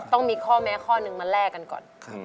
ต้องมีข้อแม้ข้อหนึ่งมาแลกกันก่อน